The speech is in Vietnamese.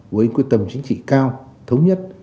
với quyết tâm chính trị cao thống nhất